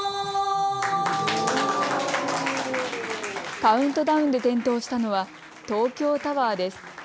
カウントダウンで点灯したのは東京タワーです。